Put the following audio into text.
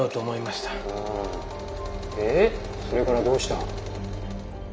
それからどうした？